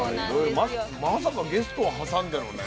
まさかゲストを挟んでのね。